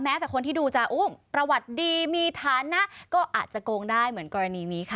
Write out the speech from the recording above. แต่คนที่ดูจะอุ้มประวัติดีมีฐานะก็อาจจะโกงได้เหมือนกรณีนี้ค่ะ